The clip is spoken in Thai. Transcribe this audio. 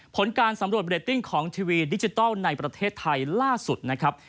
ผลการสำรวจเรตติ้งของทีวีดิจิทัลในประเทศไทยล่าสุดนะครับ